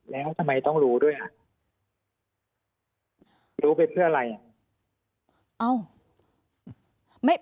แล้วทำไมต้องรู้ด้วยอ่ะรู้ไปเพื่ออะไรอ่ะ